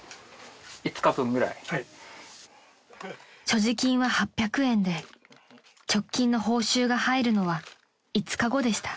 ［所持金は８００円で直近の報酬が入るのは５日後でした］